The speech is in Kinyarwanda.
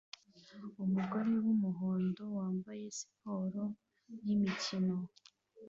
Umugore wumuhondo wambaye siporo yimikino